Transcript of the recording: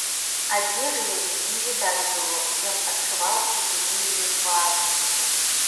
Адзежы яе не відаць было, ён адчуваў цеплыню яе твару.